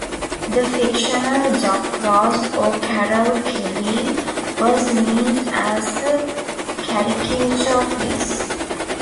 The fictional jock Ross O'Carroll-Kelly was meant as a caricature of this.